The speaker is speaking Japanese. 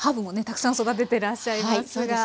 たくさん育ててらっしゃいますが。